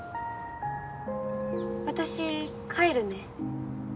私帰るね。